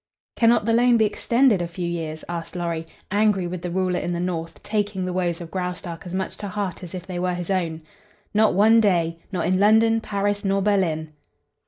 "Cannot the loan be extended a few years?" asked Lorry, angry with the ruler in the north, taking the woes of Graustark as much to heart as if they were his own. "Not one day! Not in London, Paris, nor Berlin."